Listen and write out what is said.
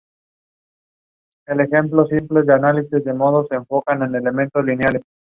Hoy puede verse en la segunda capilla lateral de la izquierda.